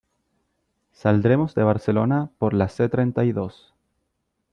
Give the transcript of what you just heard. Saldremos de Barcelona por la C treinta y dos.